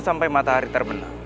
sampai matahari terbenam